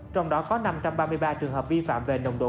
trong đó có năm trăm ba mươi ba trường hợp vi phạm về nồng độ cồn